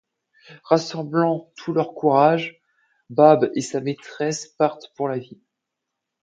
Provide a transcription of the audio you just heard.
Rassemblant tout leur courage, Babe et sa maîtresse partent pour la ville.